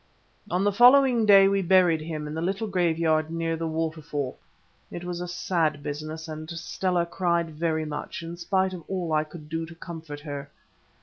On the following day we buried him in the little graveyard near the waterfall. It was a sad business, and Stella cried very much, in spite of all I could do to comfort her.